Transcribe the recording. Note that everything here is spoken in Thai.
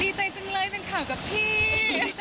ดีใจจังเลยเป็นข่าวกับพี่